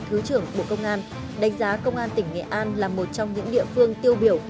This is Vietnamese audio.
thứ trưởng bộ công an đánh giá công an tỉnh nghệ an là một trong những địa phương tiêu biểu